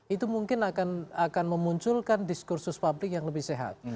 itu mungkin akan memunculkan diskursus publik yang lebih sehat